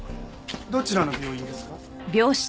どちらの病院ですか？